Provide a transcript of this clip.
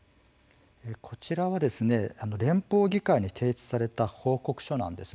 こちらは、連邦議会に提出された報告書なんです。